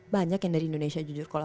banyak yang dari indonesia jujur kalau